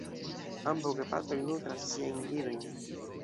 Ambaŭ gepatroj nutras siajn idojn.